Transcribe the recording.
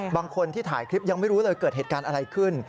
บางคนที่ถ่ายคลิปยังไม่รู้เลยเกิดเหตุการณ์อะไรขึ้น